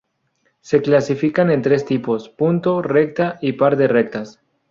Se clasifican en tres tipos: punto, recta y par de rectas.